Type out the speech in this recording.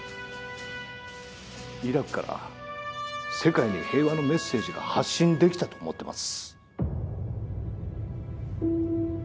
イラクから世界に平和のメッセージが発信できたと思ってます。